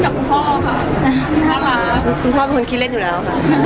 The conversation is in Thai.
คุณพ่อเป็นคนคิดเล่นอยู่แล้ว